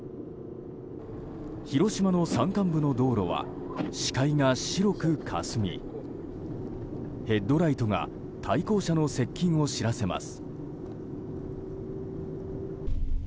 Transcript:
広島の山間部の道路は視界が白くかすみヘッドライトが対向車の接近を知らせます。